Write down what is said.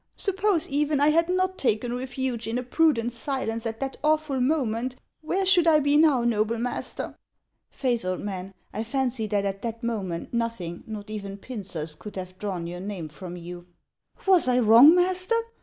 Suppose, even, I had not taken refuge in a prudent silence at that awful moment, where should I be now, noble master ?"" Faith, old man, T fancy that at that moment nothing, not even pincers, could have drawn your name from you." HANS OF ICELAND. 177 " Was I wrong, master